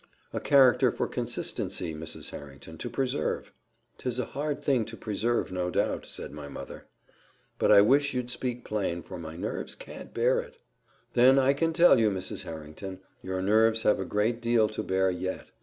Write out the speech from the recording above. "A character for consistency, Mrs. Harrington, to preserve." "'Tis a hard thing to preserve, no doubt," said my mother. "But I wish you'd speak plain, for my nerves can't bear it." "Then I can tell you, Mrs. Harrington, your nerves have a great deal to bear yet.